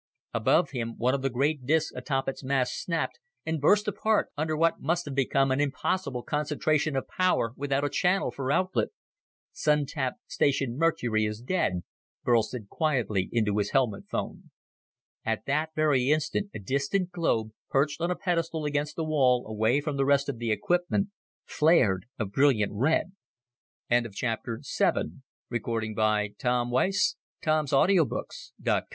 Above him, one of the great discs atop its mast snapped and burst apart under what must have become an impossible concentration of power without a channel for outlet. "Sun tap Station Mercury is dead," Burl said quietly into his helmet phone. At that very instant a distant globe, perched on a pedestal against the wall away from the rest of the equipment, flared a brilliant red. Chapter 8. The Veil of Venus In an artificially constructed chamber somewhere in the solar system,